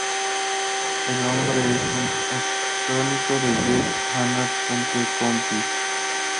El nombre es un acrónimo de "Yet Another Compiler Compiler".